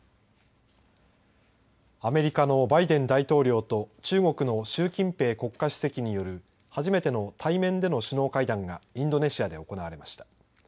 アメリカのバイデン大統領と中国の習近平国家主席による初めての対面での首脳会談がインドネシアで行われました。